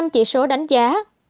năm chỉ số đánh giá